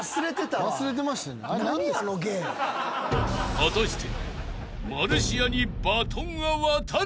［果たして］